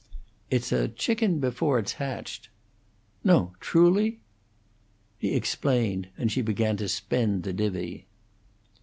"It's a chicken before it's hatched." "No! Truly?" He explained, and she began to spend the divvy.